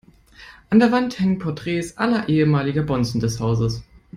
An der Wand hängen Porträts aller ehemaligen Bonzen des Hauses.